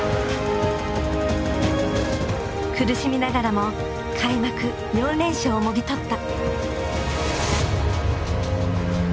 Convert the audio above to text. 苦しみながらも開幕４連勝をもぎ取った。